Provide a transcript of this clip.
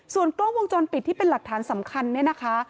ส่วนกล้องวงจรปิดที่เป็นหลักฐานสำคัญเนี่ยนะคะ